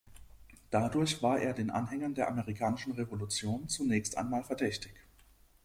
Dadurch war er den Anhängern der amerikanischen Revolution zunächst einmal verdächtig.